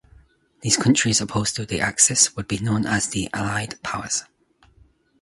These countries opposed to the Axis would be known as the Allied Powers.